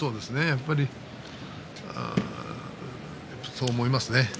やっぱり、そう思いますね。